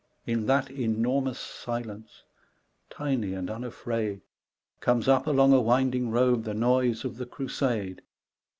In that enormous silence, tiny and unafraid, Comes up along a winding road the noise of the Crusade.